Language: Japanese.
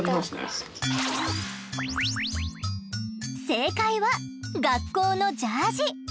正解は学校のジャージ！